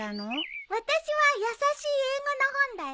私はやさしい英語の本だよ。